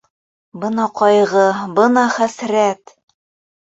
Бына ҡайғы, бына хәсрәт!